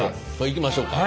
いきましょうか。